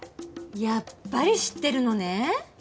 やっぱり知ってるのね。